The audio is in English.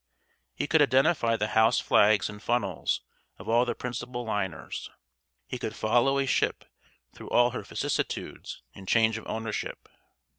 He could identify the house flags and funnels of all the principal liners; he could follow a ship through all her vicissitudes and change of ownership.